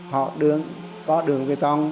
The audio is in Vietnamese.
họ đường có đường cây tông